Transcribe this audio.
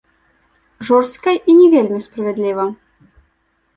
Жорстка і не вельмі справядліва?